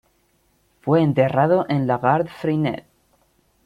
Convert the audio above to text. Fue enterrado en La Garde-Freinet.